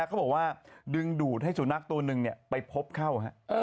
เขาบอกว่าดึงดูดให้สุนัขตัวหนึ่งไปพบเข้า